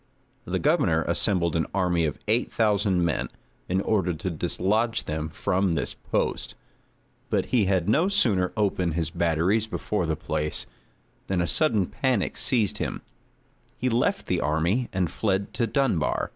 The governor assembled an army of eight thousand men, in order to dislodge them from this post; but he had no sooner opened his batteries before the place, than a sudden panic seized him; he left the army, and fled to Dunbar.